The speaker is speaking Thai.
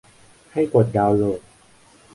ให้กดดาวน์โหลด